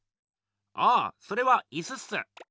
ああそれは椅子っす。